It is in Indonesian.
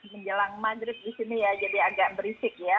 menjelang madrid di sini ya jadi agak berisik ya